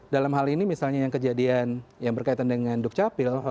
dalam hal ini misalnya yang kejadian yang berkaitan dengan dukcapil